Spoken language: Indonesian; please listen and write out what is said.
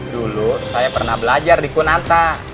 dulu saya pernah belajar di kunanta